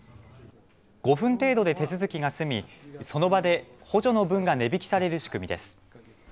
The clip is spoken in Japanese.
５分程度で手続きが済みその場で補助の分が値引きされる仕組みです。